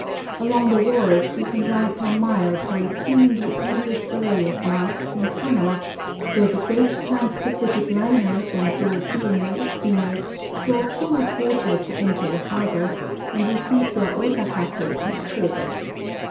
Along the wharves you can ride for miles by a seemingly endless array of masts and funnels, — though the great Trans Pacific liners and European mail steamers draw too much water to enter the harbor, and receive their Osaka freight at Kobe.